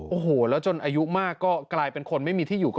โอ้โหแล้วจนอายุมากก็กลายเป็นคนไม่มีที่อยู่ก็